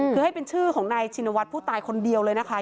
คือให้เป็นชื่อของนายชินวัฒน์ผู้ตายคนเดียวเลยนะคะ